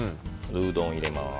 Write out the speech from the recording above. うどん入れます。